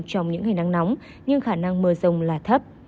trong những ngày nắng nóng nhưng khả năng mưa rồng là thấp